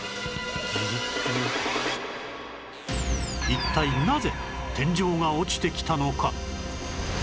一体なぜ天井が落ちてきたのか？